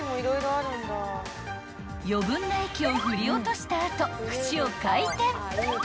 ［余分な液を振り落とした後串を回転］